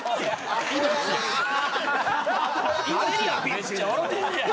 めっちゃ笑うてるやん。